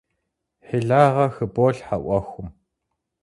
Хьилагъэ хыболъхьэ Ӏуэхум!